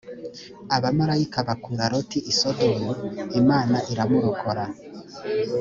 abamarayika bakura loti i sodomu imana iramurokora